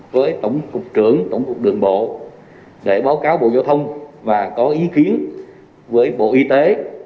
với tổng cục trưởng tổng cục đường bộ để báo cáo bộ giao thông và có ý kiến với bộ y tế